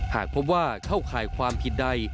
หากพบว่าเข้าข่ายความผิดใด